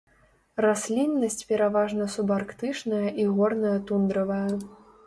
Расліннасць пераважна субарктычная і горная тундравая.